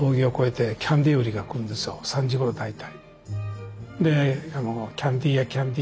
３時ごろ大体。